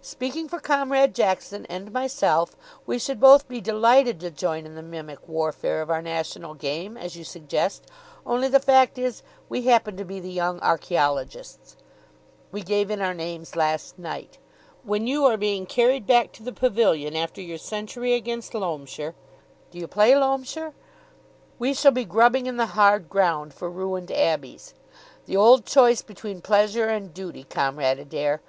Speaking for Comrade Jackson and myself, we should both be delighted to join in the mimic warfare of our National Game, as you suggest, only the fact is, we happen to be the Young Archaeologists. We gave in our names last night. When you are being carried back to the pavilion after your century against Loamshire do you play Loamshire? we shall be grubbing in the hard ground for ruined abbeys. The old choice between Pleasure and Duty, Comrade Adair.